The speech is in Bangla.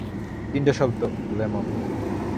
তিনটা শব্দ, লেমন।